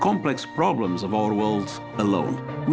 chính phủ tương lai